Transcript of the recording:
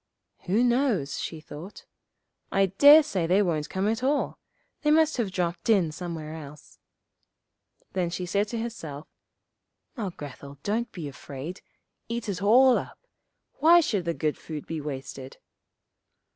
'Who knows,' she thought. 'I dare say they won't come at all; they must have dropped in somewhere else.' Then she said to herself, 'Now, Grethel, don't be afraid, eat it all up: why should the good food be wasted?